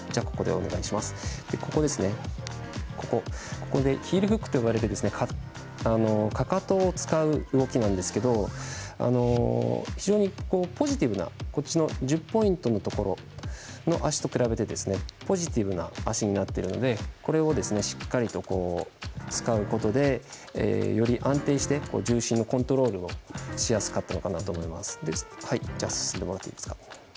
ここでヒールフックと呼ばれるかかとを使う動きなんですけど１０ポイントのところの足と比べてポジティブな足になってるのでしっかりと使うことでより安定して重心のコントロールがしやすかったのかなと思います。